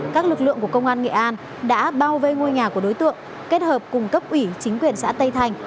các lực lượng của công an nghệ an đã bao vây ngôi nhà của đối tượng kết hợp cùng cấp ủy chính quyền xã tây thành